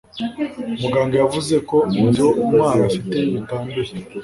muganga yavuze ko ibyo ntwali afite bitanduye